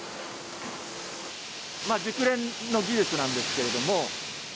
熟練の技術なんですけれども。